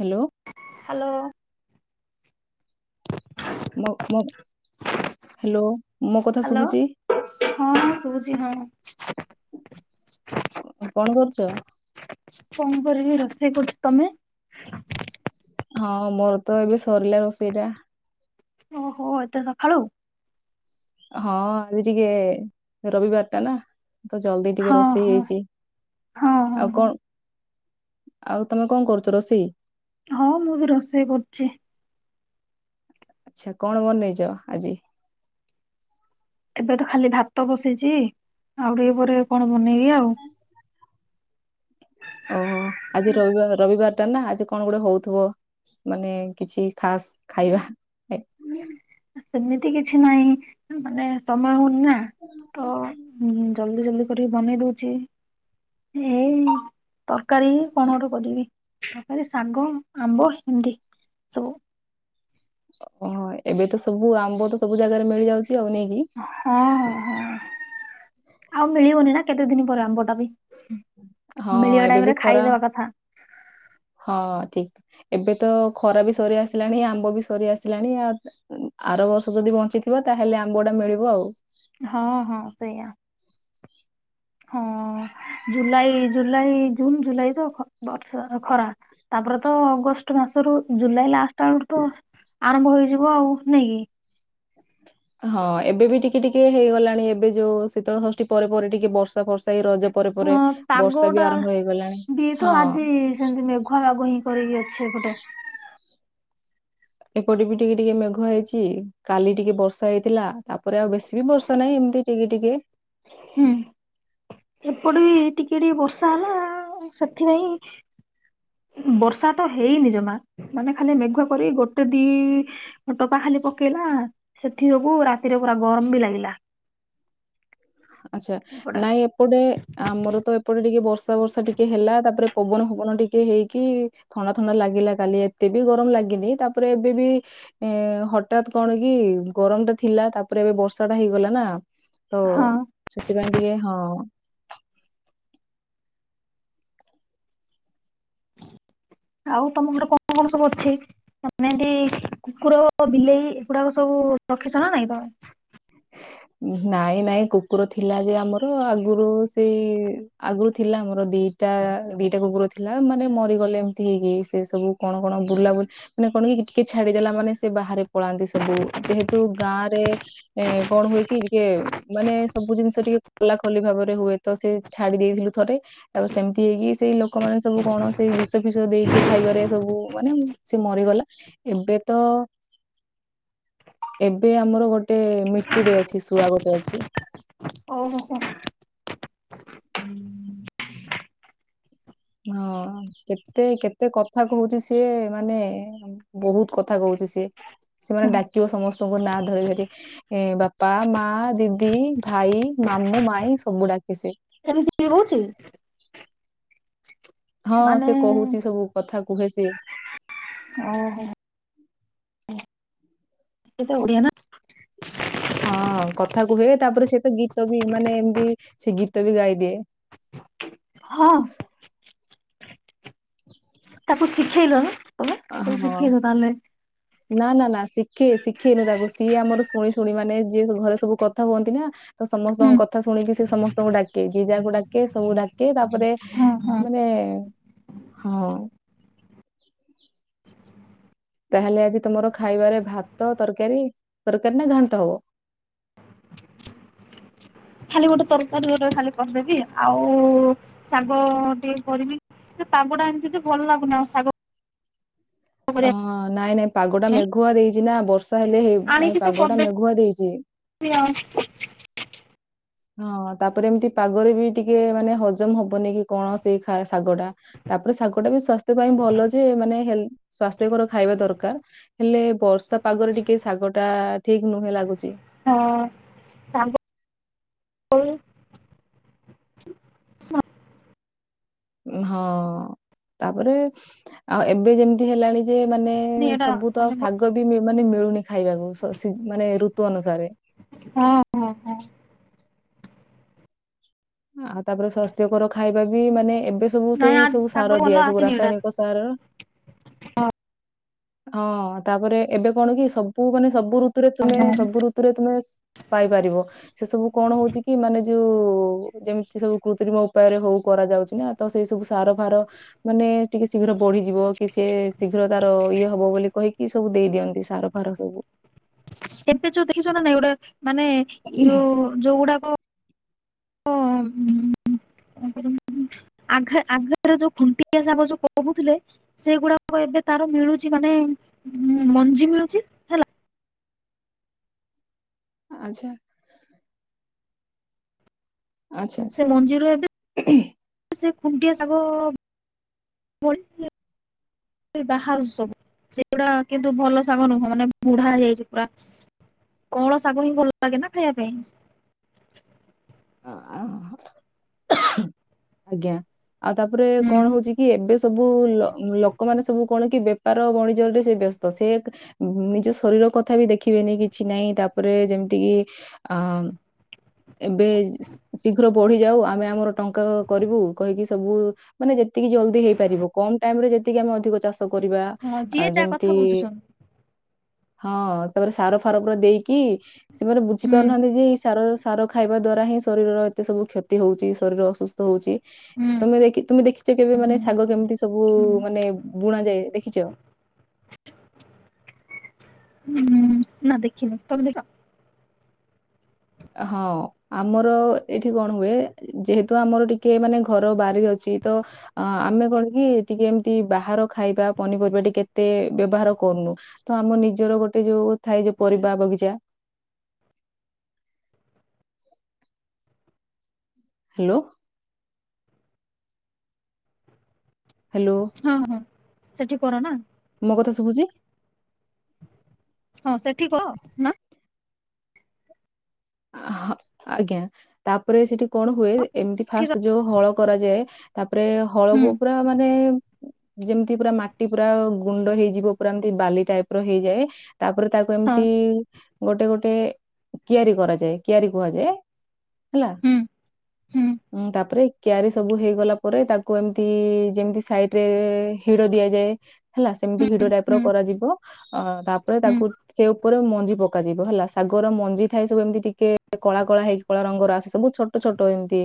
Hello hello hello ମୋ କଥା hello ଶୁଭୁଛି ହଁ ଶୁଭୁଛି ହଁ କଣ କରୁ [inaudible] କଣ କରିବି ରୋଷେଇ କର ତମେ ହଁ ମୋର ତ ଏବେ ସରିଲା ରୋଷେଇ ଟା ଓହୋ ଏ ତ ସକାଳୁ ହଁ ଆଜି ଟିକେ ରବିବାର ଟା ନା ତ ଜଲଦି ଟିକେ ହଁ ରୋଷେଇ ହଁ ହେଇଛି ହଁ ହଁ ଆଉ ହଁ କଣ [inaudible] ଆଉ ତମେ କଣ କରୁଛ ରୋଷେଇ ହଁ ମୁଁ ବି ରୋଷେଇ କରୁଛି। ଆଚ୍ଛା କଣ ବନେଇଛ ଆଜି ଏବେ ତ ଖାଲି ଭାତ ବସେଇଛି ଆଉ ଟିକେ ପରେ କଣ? ବନେଇବି ଆଉ ଓହୋ ଆଜି ରବିବାର ରବିବାର ଟା ନା ଆଜି କଣ ଗୋଟେ ହଉଥିବ ମାନେ କିଛି ଖାସ ଖାଇବା ସେମିତି କିଛି ନହିଁ। ମାନେ ସମୟ ହଉନି ନା ତ ଜଲଦି ଜଲଦି ଜଲଦି କରିକି ବନେଇ ଦଉଛି ଏଇ ତରକାରୀ କଣ ଗୋଟେ କରିବି ତରକାରୀ ଶାଗ ଆମ୍ବ ହିଣ୍ଡି ସବୁ ଓହ ଏବେ ତ ସବୁ ଆମ୍ବ ତ ସବୁ ଜାଗାରେ ମିଳିଯାଉଛି। ଆଉ ନେଇକି ହଁ ହ ହଁ ଆଉ ମିଳିବନି ନା କେତେ ଦିନ ପରେ ଆମ୍ବଟା ବି ହଁ ମିଳିବା ଏବେ ବି ଟାଇମରେ ଖରା ଖାଇଦବା କଥା ହ [inaudible] ହଁ ଠିକ ଏବେ ତ ଖରା ବି ସରି ଆସିଲାଣି ଆମ୍ବ ବି ସରି ଆସିଲାଣି ଆ ଆର ବର୍ଷ ଯଦି ବଞ୍ଚିଥିବ ତାହେଲେ ଆମ୍ବ ଟା ମିଳିବ ଆଉ ହଁ ହଁ ସେଇଆ ହଁ ଜୁଲାଇ ଜୁଲାଇ ଜୁନ ଜୁଲାଇ ତ ବର୍ଷ ଖରା ତାପରେ ତ ଅଗଷ୍ଟ ମାସରୁ ଜୁଲାଇ ଲାଷ୍ଟ ଆଳରୁ ତ ଆରମ୍ଭ ହେଇଯିବ ଆଉ ନେଇାଇକି ହଁ ଏବେ ବି ଟିକେ ଟିକେ ହେଇଗଲାଣି ଏବେ ଯୋଉ ଶୀତଳ ଷଷ୍ଠୀ ପରେ ଟିକେ ବର୍ଷା ଫର୍ଷା ଏ ହଁ ପାଗଟା ହେଇଗଲାଣି। ବି ତ ହଁ ଆଜି ସେମତି ମେଘୁଆ ବାଘୁ ହିଁ କରିକି ଅଛି ଏପଟେ ଏପଟେ ବି ଟିକେ ଟିକେ ମେଘ ହେଇଛି କାଲି ଟିକେ ବର୍ଷା ହେଇଥିଲା ତାପରେ ଆଉ ବେଶୀ ବି ବର୍ଷା ନାହିଁ ଏମିତି ଟିକେ ଟିକେ ହୁଁ। ଏପଟ ଟିକେ ଟିକେ ବର୍ଷା ହେଲା ସେଥିପାଇଁ ବର୍ଷା ତ ହେଇନି ଜମା ମାନେ ଖାଲି ମେଘୁଆ କରି ଗୋଟେ ଦି ଟପା ଖାଲି ପକେଇଲା ସେଥି ଯବୁ ରାତିରେ ପୁରା ଗରମ ବି ଲାଗିଲା ଆଚ୍ଛା ଏପଟେ ନାଇଁ। ଏପଟେ ଆମର ତ ଏପଟେ ଟିକେ ବର୍ଷା ବର୍ଷା ଟିକେ ହେଲା। ତାପରେ ପବନ ଫବନ ଟିକେ ହେଇକି ଥଣ୍ଡା ଥଣ୍ଡା ଲାଗିଲା। କାଲି ଏତେ ବି ଗରମ ଲାଗିନି। ତାପରେ ଏବେ ବି ଏ ହଠାତ କଣ କି ଗରମ ଟା ଥିଲା। ତାପରେ ଏବେ ବର୍ଷା ଟା ହେଇଗଲା ନା। ତ ହଁ ସେଥିପାଇଁ ଟିକେ ହଁ। ଆଉ ତମ ଘରେ କଣ କଣ ସବୁ ଅଛି। ଯେନ୍ତି କୁକୁର ବିଲେଇ ଏଗୁଡାକ ସବୁ ରଖିଛ ନା ନାଇଁ ତମେ? ନାଇଁ ନାଇଁ କୁକୁର ଥିଲା ଯେ ଆମର। ଆଗୁରୁ ସେଇ ଆଗୁରୁ ରୁ ଥିଲା ଆମର ଦିଟା ଦିଟା କୁକୁର ଥିଲା। ମାନେ ମରିଗଲେ ଏମିତି। ହେଇକି ସେ ସବୁ କଣ କଣ ବୁଲା ବୁଲାବୁଲି ମାନେ କଣ କି ଟିକେ ଛାଡିଦେଲା ମାନେ ସେ ବାହାରେ। ପଳାନ୍ତି ସବୁ ଯେହେତୁ ଗାଁ ରେ ଏ କଣ ହୁଏ କି ଟିକେ ମାନେ ସବୁ ଜିନିଷ ଟିକେ ଖୋଲା ଖୋଲି ଭାବରେ ହୁଏତ ସେ ଛାଡି ଦେଇଥିଲୁ ଥରେ ତାପରେ ସେମିତି ହେଇକି ସେଇ ଲୋ କମାନେ ସବୁ କଣ ସେଇ ବିଷ ଫୀସ ଦେଇ କି ଖାଇବାରେ ସବୁ ମାନେ ସେ ମରିଗଲା। ଏବେ ତ [inaudible] ଏବେ ଆମର ଗୋଟେ ମିଟୁ ଟେ ଅଛି। ଶୁଆ ଗୋ ଅଛି। [inaudible] ହଁ କେତେ କେତେ କଥା କହୁଛି। ସିଏ ମାନେ ବହୁତ କଥା କହୁଛି ସିଏ। ସି ମାନେ ଡାକିବ ସମସ୍ତଙ୍କୁ ନାଁ ଧରି ଧରି। ଏ ବାପା ମା ଦିଦି ଭାଇ ମାମୁଁ ମାଇଁ ସବୁ ଡାକେ ସେ। ଏମିତି ବି ହଉଛି? ହଁ ମାନେ ସେ କହୁଛି ସବୁ କଥା। କୁହେ ସେ ଓହୋ। ସେ ଓଡ଼ିଆ ନା। ହଁ କଥା କୁହେ। ତାପରେ ସେ ତ ଗୀତ ବି ମାନେ ଏମିତି ସେ ଗୀତ ବି ଗାଇଦିଏ। ହଁ। ତାକୁ ଶିଖେଇ ଲନା? ତମେ ସବୁ ହଁ ଶିଖେଇଛ ତାହେଲେ। ନା ନା ନା ଶିଖେ ଶିଖେଇନୁ ତାକୁ। ସିଏ ଆମର ଶୁଣି ଶୁଣି ମାନେ ଯିଏ ଘରେ ସବୁ କଥା ହୁଅନ୍ତି ନା। ତ ହୁଁ। ସମସ୍ତଙ୍କ କଥା ଶୁଣିକି ସି ସମସ୍ତଙ୍କୁ ଡାକେ। ଯିଏ ଯାହାକୁ ଡାକେ ସବୁ ଡାକେ ତାପରେ ହଁ ହଁ ମାନେ ହଁ। ତାହେଲେ ଆଜି ତମର ଖାଇବାରେ ଭାତ ତରକାରୀ ତରକାରୀ ନା ଘାଣ୍ଟ ହବ? ଖାଲି ଗୋଟେ ତରକାରୀ ଗୋଟେ ଖାଲି କରିଦେବି। ଆଉ ଶାଗ ଟିକେ କରିବି। ପାଗ ଟା ଏମିତି ଯେ ଭଲ ଲାଗୁନି, ଆଉ ଶାଗ। ହ କରିବା ନାଇଁ ନାଇଁ। ପାଗଟା ପାଇଁ ମେଘୁଆ ଦେଇଛି ନା ବର୍ଷ। ତା ହେଲେ ହେଇ ନାଇଁ ଆଣିଛି ତ ପାଗ ଟା କରିଦେବି ମେଘୁଆ ଦେଇଛି। ଆଉ ହଁ ତାପରେ ଏମିତି ପାଗରେ ବି ଟିକେ ମାନେ ହଜମ ହବନି କି କଣ। ସେଇ ଖା ଶାଗ ଟା ତାପରେ ଶାଗ ଟା ବି ସ୍ଵାସ୍ଥ୍ୟ ପାଇଁ ଭଲ। ଯେ ମାନେ ହେ ସ୍ଵାସ୍ଥ୍ୟକର ଖାଇବା ଦରକାର ହେଲେ ବର୍ଷା। ପାଗରେ ଟିକେ ଶାଗ ଟାଆ। ଠିକ ନୁହେଁ ଲାଗୁଛି। ହଁ ଶାଗ [inaudible] ହଁ ତାପରେ ଆଉ ଏବେ ଯେମିତି ହେଲାଣି। ଯେ ମାନେ ଏଇଟା ସବୁତ ମାନେ ଆଉ ଶାଗ ବି ମି। ମାନେ ମିଳୁନି ଖାଇବାକୁ, ସସେ, ମାନେ ଋତୁ ଅନୁସାରେ ହଁ, ହଁ, ହଁ। ଆଉ, ତାପରେ ସ୍ୱାସ୍ଥ୍ୟକର ଖାଇବା ବି, ମାନେ ଏବେ ସବୁ, ନାଇଁ ସେଇ ଆ ସବୁ ସାର ଶାଗ ଭଲ ଦିଆ, ସବୁ ଆସିନି ଏଇଟା ରାସାୟନିକ ସାର ହଁ, ତାପରେ ଏବେ କଣ କି ସବୁ, ମାନେ ସବୁ ଋତୁ ଋତୁରେ, ତମେ ସବୁ ଋତୁରେ, ତମେ ପାଇପାରିବ, ସେ ସବୁ କଣ ହଉଛି କି, ମାନେ ଯୋଉ [unintelligible] ଯେମିତି ସବୁ କୃତ୍ରିମ ଉପାୟରେ ହଉ କରାଯାଉଛି ନା, ତ ସେଇ ସବୁ ସାର ଫାର, ମାନେ ଟିକେ ଶୀଘ୍ର ବଢିଯିବ କି, ସେ ଶୀଘ୍ର ତାର ଇଏ ହବ ବୋଲି କହିକି, ସବୁ ଦେଇ ଦିଅନ୍ତି ସାର ଫାର ସବୁ କେତେ ଯୋଉ ଦେଖିଛ ନା, ନାଇଁ, ଗୋଟେ? ମାନେ, ଯଉ ଯୋଉ ଗୁଡାକ [unintelligible] ଯୋଉ କହୁଥିଲେ, ସେଗୁଡାକ ଏବେ ତାର ମିଳୁଛି ମାନେ ମଞ୍ଜି ମିଳୁଛି ହେଲା ଆଛା ଆଚ୍ଛା। ସେ, ମଞ୍ଜିରରୁ ଏବେ ଖୁଣ୍ଡିଆ [inaudible] କିନ୍ତୁ, ଭଲ ଶାଗ ନୁହଁ ମାନେ ବୁଢା ହେଇଯାଇଛି ପୁରା, [inaudible] ଶାଗ ହିଁ ଭଲ ଲାଗେ ନା ଖାଇବା ପାଇଁ। [inaudible] ଆଜ୍ଞା। ଆଉ, ତାପରେ କଣ ହୁଁ ହଉଛି କି, ଏବେ ସବୁ ଲୋକମାନୋନ ସବୁ କଣ କି [unintelligible] ବଣିଜରରେ, ସେ ବ୍ୟସ୍ତ, ସେ ନିଜ ଶରୀର କଥା ବି ଦେଖିବେନି, କିଛି ନାହିଁ, ତାପରେ ଯେମିତି କିି ଆ, ଏବେ ଶୀ- ଶୀଘ୍ର ବଢିଯାଉ, ଆମେ ଆମର ଟଙ୍କା କରିବୁ କହିକି, ସବୁ ମାନେ, ଯେତିକି ଜଲଦି ହେଇପାରିବ, କମ ଟାଇମ ରେ, ଯେତିକି ଆମେ ଅଧିକ ଚାଷ କରିବା ହଁ ଯିଏ ଯାହା କଥା ଯେମିତି ବୁଝୁଛନ୍ତି ହଁ, ତାପରେ ସାର ଫାର, ପୁରା ଦେଇକି ସେମାନେ ହୁଁ ବୁଝିପାରୁନାହାନ୍ତି, ଯେ ଏଇ ସାର ସାର ଖାଇବା ଦ୍ୱାରା ହିଁ ଶରୀରର ଏତେ ସବୁ କ୍ଷତି ହଉଛି, ଶରୀର ଅସୁସ୍ଥ ହଉଛି। ହୁଁ ତମେ ଦେଖୀ, ତୁମେ ଦେଖିଛ କେବେ, ମାନେ ଶାଗ କେମିତି ସବୁ ହୁଁ ମାନେ ବୁଣାଯାଏ, ଦେଖିଛ। ହୁଁ, ନା, ଦେଖିନି, ତମେ ଦେଖ। ହଁ, ଆମର ଏଠି କଣ ହୁଏ, ଯେହେତୁ ଆମର ଟିକେ ମାନେ ଘର ବାରି ଅଛି, ତ ଆମେ କଣ କି ଟିକେ ଏମିତି ବାହାର ଖାଇବା ପନିପରିବା ଟିକେ କେତେ ବ୍ୟବହାର କରୁନୁ, ତ ଆମ ନିଜର ଗୋଟେ ଯୋଉ ଥାଏ, ଯୋଉ ପରିବା ବଗିଚା ହେଲୋ ହ୍ୟାଲୋ ହଁ, ହଁ। ସେଠି, କର ନା। ମୋ, କଥା ଶୁଭୁଛି? ହଁ, ସେଠି କହ, ନା ଆଃ, ହଁ, ଆଜ୍ଞା, ତାପରେ ସେଠି କଣ ହୁଏ, ଏମିତି ସେଠି କର ଫାଷ୍ଟ ଯୋଉ, ହଳ କରାଯାଏ। ପରେ, ହୁଁ ହଳକୁ ପୁରା, ମାନେ ଯେମିତି, ପୁରା ମାଟି ପୁରା ଗୁଣ୍ଡ ହେଇଯିବ। ପୁରା ଏମିତି ବାଲି ଟାଇପ, ର ହେଇଯାଏ। ତାପରେ, ତାକୁ ହଁ ଏମିତି ଗୋଟେ, ଗୋଟେ, କିଆରି କରାଯାଏ। କିଆରି, କୁହାଯାଏ। ହେଲା, ହୁଁ ହୁଁ, ତାପରେ କିଆାରି ସବୁ ହେଇଗଲା, ପରେ ତାକୁ ଏମତି, ଯେମତି ସାଇଡ ରେ ହିଡ ଦିଆଯାଏ। ହେଲା, ସେମିତି ହୁଁ ହିଡ ଟାଇପ୍, ର ହୁଁ କରାଯିବ ୲ [unintelligible] ଅ, ତାପରେ ହୁଁ ତାକୁ, ସେ ଉପରୁ, ମଞ୍ଜି ପକାଯିବ ହେଲା ୲ ଶାଗର ମଞ୍ଜି ଥାଏ, ସବୁ ଏମତି ଟି କେ କଳା, କଳା ହେଇକି, କଳା ରଙ୍ଗର ଆସେ ସବୁ, ଛୋଟ, ଛୋଟ ଏମିତି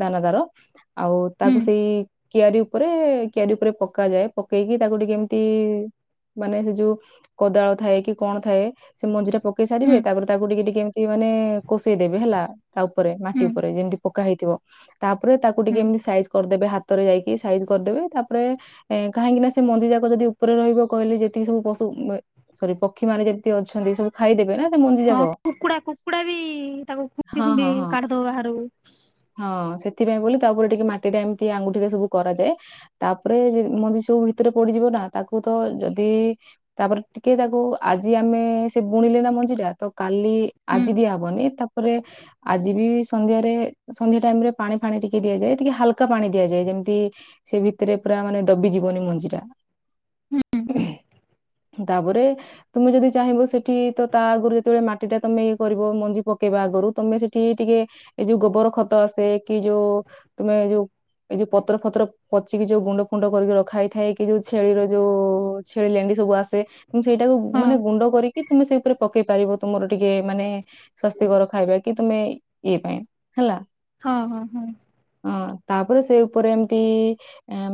ଦାନା ଦର ୲ ଆଉ, ହୁଁ ତାକୁ ସେଇ କିଆରି ଉପରେ, କିଆରି ଉପରେ ପକାଯାଏ ୲ ପକେଇକି ତାକୁ ଟିକେ, ଏମତି ମାନେ ସେ, ଯୋଉ କୋଦାଳ ଥାଏ, କି କଣ ଥାଏ, ସେ ମଞ୍ଜି ଟା ପକେଇ ସାରିବେ ହୁଁ ୲ ତାପରେ ତାକୁ ଟିକେ ଟିକେ ଏମତି, ମାନେ କଷେଇଦେବେ, ହେଲା ୲ ତା ଉପରେ, ମାଟି ହୁଁ ଉପରେ, ଯେମିତି ପକା ହେଇଥିବ ୲ ତାପରେ ତାକୁ ଟିକେ ହୁଁ ଏମତି ସାଇଜ୍ କରିଦେବେ, ହାତରେ ଯାଇକି, ସାଇଜ୍ କରିଦେବେ ତାପରେ, ଏ କାହିଁକି ନା ସେ ମଞ୍ଜି ଯାକ ଯଦି ଉପରେ ରହିବ ୲ କହିଲେ ଯେତିକି ସବୁ ପଶୁ, ସରି ପକ୍ଷୀ ମାନେ ଯେତିକି ଅଛନ୍ତି, ସବୁ ଖାଇଦେବେ ନା ୲ ଏ ମଞ୍ଜି, ହଁ ଯାକ- କୁକୁଡ଼ା, କୁକୁଡା ବି ତାକୁ, ଖୁମ୍ପି, ହଁ ଖୁମ୍ପି ହଁ ହଁ କାଢିଦବ ବାହାରକୁ ୲ ହଁ ସେଥିପାଇଁ, ବୋଲି ତାଉପରେ ଟିକେ ମାଟି ଟା ଏମତି, ଆଙ୍ଗୁଠିରେ ସବୁ କରାଯାଏ। ତାପରେ ମଞ୍ଜି ସବୁ ଭିତରେ ପଡିଯିବ, ନା ତାକୁ ତ ଯଦି ତାପରେ ଟିକେ, ତାକୁ ଆଜି ଆମେ ସେ ବୁଣିଲେ ନା ମଞ୍ଜି ଟା, ତ କାଲି ହୁଁ ଆଜି, ଦିଆ ହବନି ତା ତାପରେ, ଆଜି ବି ସନ୍ଧ୍ୟାରେ, ସନ୍ଧ୍ୟା ଟାଇମ ରେ ପାଣି ଫାଣି ଟିକେ ଦିଆଯାଏ। ଟିକେ ହାଲକା ପାଣି ଦିଆଯାଏ। ଯେମତି ସେ ଭିତରେ ପୁରା ମାନେ ଦବିଯିବନି ମଞ୍ଜି ଟା, ହୁଁ ହୁଁ ତାପରେ ତମେ ଯଦି ଚାହିଁବ, ସେଠି ତ ତା ଆଗରୁ ଯେତେବେଳେ ମାଟି ଟା ତମେ କରିବ ମଞ୍ଜି ପକେଇବା ଆଗରୁ, ତମେ ସେଠି ଟିକେ ଏଇ ଯୋଉ, ଗୋବର ଖତ ସେ କି ଯୋଉ, ତମେ ଯୋଉ ଏଇ ଯୋଉ ପତ୍ର, ଫତ୍ର ପଚିକି ଯୋଉ, ଗୁଣ୍ଡ ଫୁଣ୍ଡ କରିକି ରଖାହେଇଥାଏ। କି ଯୋଉ, ଛେଳିର ଯୋଉ, ଛେଳି ଲେଣ୍ଡି ସବୁ ଆସେ ତ, ସେଇଟାକୁ ହଁ ମାନେ, ଗୁଣ୍ଡ କରିକି ତୁମେ, ସେଇ ଉପରେ ପକେଇ ପାରିବ। ତମର ଟିକେ ମାନେ, ସ୍ବାସ୍ଥ୍ୟକର ଖାଇବା, କି ତୁମେ ଇଏ ପାଇଁ, ହେଲା ହଁ, ହଁ, ହଁ- ହଁ, ତାପରେ ସେ ଉପରେ ଏମତି,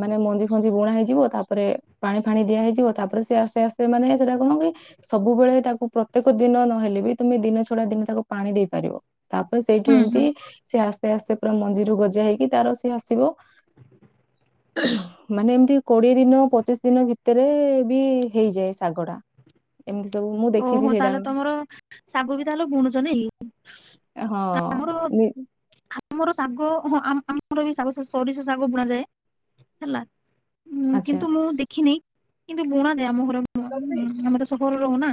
ମାନେ ମଞ୍ଜି, ଫଞ୍ଜି ବୁଣା ହେଇଯିବ। ତାପରେ ପାଣି, ଫାଣି ଦିଆ ହେଇଯିବ। ତାପରେ ସେ ଆସ୍ତେ, ଆସ୍ତେ ମାନେ ସେଟା କଣ, କି ସବୁବେଳେ ତାକୁ ପ୍ରତ୍ୟେକ ଦିନ ନହେଲେ, ବି ତମେ ଦିନ ଛଡା ଦିନ, ତାକୁ ପାଣି ଦେଇପାରିବ। ତାପରେ ସେଇଠୁ ହୁଁ ଏମତି, ହୁଁ ସିଏ ଆସ୍ତେ, ଆସ୍ତେ ପୁରା ମଞ୍ଜିରୁ ଗଜା ହେଇକି ତାର ସିଏ ଆସିବ। ମାନେ ଏମତି କୋଡିଏ ଦିନ ପଚିଶ ଦିନ ଭିତରେ ବି ହେଇଯାଏ, ଶାଗ ଟା ଏମତି- ତ, ମୁଁ ଦେଖିଛି ଓହୋ ସେଇଟା। ତାହେଲେ ତମର ଶାଗ ବି ତାହେଲେ ବୁଣୁଛ ହଁ ନାଇକି ଆମର ନି- ଆମର ଶାଗ ହଁ ଆମ୍ ଆମର ବି ଶାଗ ସବ୍ ସୋରିଷ ଶାଗ ବୁଣାଯାଏ ହେଲା ହୁଁ ଆଚ୍ଛା କିନ୍ତୁ ମୁଁ ଦେଖିନି କିନ୍ତୁ ବୁଣା ନାଇ ଆମ ଘର ମ୍ ଆମର ସହରରେ ରହୁ ନା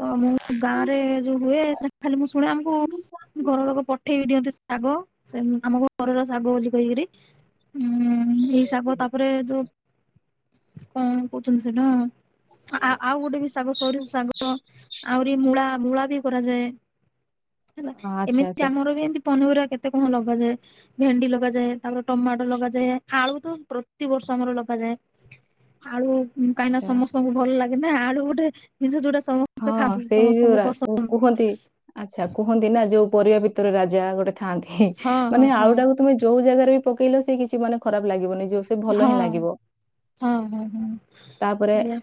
ତ ମୁଁ ଗାଁରେ ଯୋଉ ହୁଏ ସେଟା ଖାଲି ମୁଁ ଶୁଣେ ଆମକୁ ଘର ଲୋକ ପଠେଇବି ଦି ଦିଅନ୍ତି ଶାଗ ସେ ଆମ ଘରର ଶାଗ ବୋଲି କହିକରି ହୁଁ ଏଇ ଶାଗ ତାପରେ ଯୋଉ କଣ କହୁଛନ୍ତି ସେଇଟା ଆ ଆଉ ଗୋଟେ ବି ଶାଗ ସୋରିଷ ଶାଗ [unintelligible] ଆହୁରି ମୂଳା ମୂଳା ବି କରାଯାଏ ହେଲା ଆଚ୍ଛା ଏମିତି ଆଚ୍ଛା ଆମର ବି ଏମିତି ପନିପରିବା କେତେ କଣ ଲଗାଯାଏ ଭେଣ୍ଡି ଲଗାଯାଏ ତାପରେ ଟମାଟୋ ଲଗାଯାଏ ଆଳୁ ତ ପ୍ରତିିବର୍ଷ ଆମର ଲଗାଯାଏ ଆଳୁ କାହିଁକି ଆଚ୍ଛା ସମସ୍ତଙ୍କୁ ଭଲ ଲାଗେ ନା ଆଳୁ ଗୋଟେ ନିଜ ହଁ ସେଇ ଯୋଉା କୁହନ୍ତି ଆଚ୍ଛା କୁହନ୍ତି ନା ଯୋଉ ପରିବା ଭିତରେ ରାଜା ଗୋଟେ ଥାନ୍ତି ହଁ ହଁ ମାନେ ହଁ ଆଳୁଟାକୁ ତମେ ଯୋଉ ଜାଗାରେ ବି ପକେଇଲେ ସେ କିଛି ମାନ ଖରାପ ଲାଗିବନି ଯୋଉ ସେ ଭଲ ହିଁ ହଁ ଲାଗିବ ହଁ ହଁ ହଁ ତାପରେ ସେଇଆ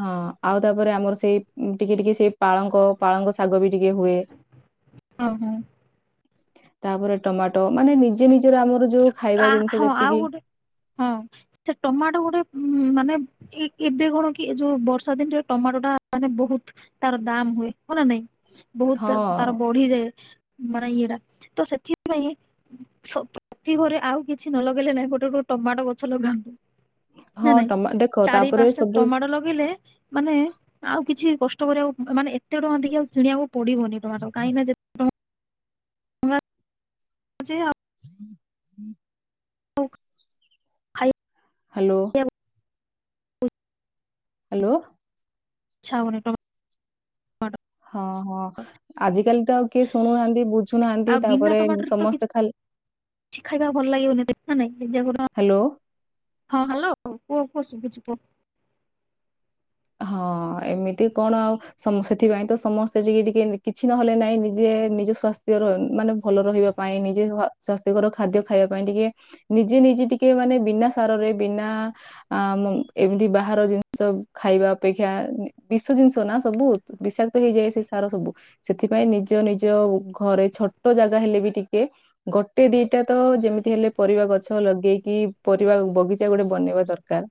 ହଁ ଆଉ ତାପରେ ଆମର ସେଇ ଟିକେ ଟିକେ ସେ ପାଳଙ୍କ ପାଳଙ୍କ ଶାଗ ବି ଟିକେ ହୁଏ ହଁ ହଁ ତାପରେ ଟମାଟୋ ମାନେ ନିଜେ ନିଜେ ହଁ ଆଉ ଗୋଟେ ହଁ ସେ ଟମାଟୋ ଗୋଟେ ମାନେ ଏ ଏବେ କଣ କି ଏ ଯୋଉ ବର୍ଷା ଦିନରେ ଟମାଟୋ ଟା ମାନେ ବହୁତ ତାର ଦାମ ହୁଏ ହ ନା ନାଇଁ ବହୁତ ତାର ହଁ ବଢିଯାଏ [unintelligible] ତ ସେଥିପାଇଁ ପ୍ରତି ଘରେ ଆଉ କିଛି ନ ଲଗେଇଲେ ନାଇଁ ଗୋଟେ ଗୋଟେ ଟମାଟୋ ଗଛ ଲଗାନ୍ତୁ ନାଇ ହଁ ନାଇଁ ଟମା ଦେଖ ଚାରି ତାପରେ ପାଞ୍ଚଟା ସବୁ ଟମାଟୋ ଲଗେଇଲେ ମାନେ ଆଉ କିଛି କଷ୍ଟ କରିବାକୁ ମାନେ ଏତେ ଟଙ୍କା ଦେଇ ଆଉ କିଣିବାକୁ ପଡିବନି ଟମାଟ କାହିଁକିନା ଯେ ଆ ହୁଁ ହୁଁ ଖାଇ ହ୍ୟାଲୋ। ହ୍ୟାଲୋ। [unintelligible] ହଁ ହଁ ଆଜିକାଲି ତ ଆଉ କିଏ ଶୁଣୁନାହାନ୍ତି ବୁଝୁନାହାନ୍ତି ଆଉ ବିନା ତାପରେ ଟମାଟରରେ ତ ସମସ୍ତେ ଖାଲି କିଛି ଖାଇବା ଭଲ ଲାଗିବନି ନା ନାଇଁ ହ୍ୟାଲୋ। ଶୁଭୁଚି କୁହ। ହଁ ଏମିତି କଣ ଆଉ ସେଥିପାଇଁ ତ ସମସ୍ତେ ଟିକେ ଟିକେ କିଛି ନହେଲେ ନାଇଁ ନିଜେ ନିଜ ସ୍ଵାସ୍ଥ୍ୟର ମାନେ ଭଲ ରହିବା ପାଇଁ ନିଜେ ସ୍ଵାସ୍ଥ୍ୟକର ଖାଦ୍ୟ ଖାଇବା ପାଇଁ ଟିକେ ନିଜେ ନିଜେ ଟିକେ ମାନେ ବିନା ସାରରେ ବିନା ଆ ଏମିତି ବାହାର ଜିନିଷ ଖାଇବା ଅପେକ୍ଷା ବିଷ ଜିନିଷ ନା ସବୁ ବିଷାକ୍ତ ହେଇଯାଏ ସେ ସାର ସବୁ ସେଥିପାଇଁ ନିଜ ନିଜ ଘରେ ଛୋଟ ଜାଗା ହେଲେ ବି ଟିକେ ଗୋଟେ ଦିଟା ତ ଯେମିତି ହେଲେ ପରିବା ଗଛ ଲଗେଇକି ପରିବା ବଗିଚା ଗୋଟେ ବନେଇବା ଦରକାର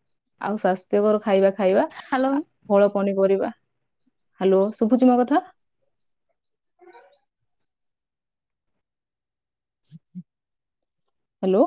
ଆଉ ସ୍ଵାସ୍ଥ୍ୟକର ଖାଇବା ଖାଇବା। ହ୍ୟାଲୋ। ଫଳ ପନିପରିବା। ହ୍ୟାଲୋ ସୁଭୁଚି ମୋ କଥା? ହ୍ୟାଲୋ।